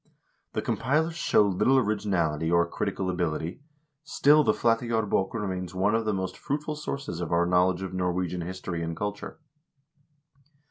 The compilers show little originality or critical ability, still the " Flateyjarb6k " remains one of the most fruitful sources of our knowledge of Norwegian history and culture.